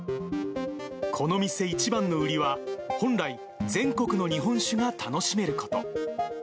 この店一番の売りは、本来、全国の日本酒が楽しめること。